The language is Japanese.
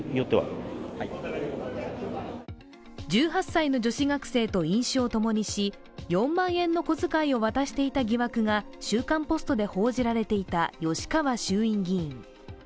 １８歳の女子学生と飲酒を共にし４万円の小遣いを渡していた疑惑が「週刊ポスト」で報じられていた吉川衆院議員。